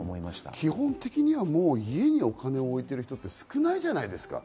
基本的には家にお金を置いている人は少ないじゃないですか。